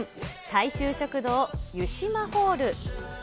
大衆食堂ゆしまホール。